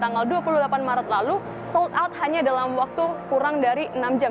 tanggal dua puluh delapan maret lalu sold out hanya dalam waktu kurang dari enam jam